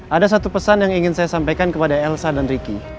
ada satu pesan yang ingin saya sampaikan kepada elsa dan ricky